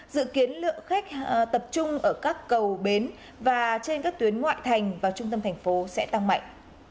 dự kiến lượng khách tập trung ở các cầu bến và trên các tuyến ngoại thành vào trung tâm thành phố sẽ tăng mạnh